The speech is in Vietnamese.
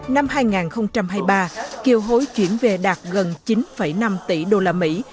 năm hai nghìn hai mươi ba kiều hối chuyển về đạt gần chín năm tỷ đô la mỹ